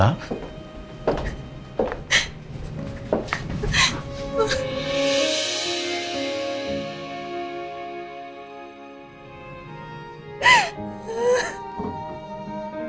kalau ke muda dibilikin yang pasukan kita